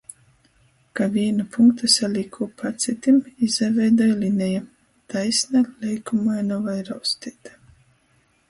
Ka vīnu punktu salīk kūpā ar cytim, izaveidoj lineja. Taisna, leikumaina voi rausteita.